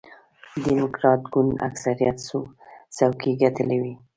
ډیموکراټ ګوند اکثریت څوکۍ ګټلې وې.